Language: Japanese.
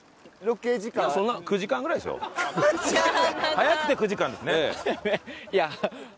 早くて９時間ですね。